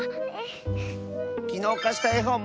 きのうかしたえほん